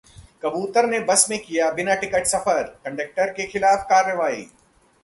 कबूतर ने बस में किया 'बिना टिकट' सफर, कंडक्टर के खिलाफ कार्रवाई